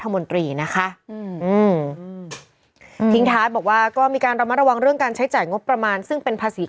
มันบอกว่ารู้สึกซ้ำซึ้ง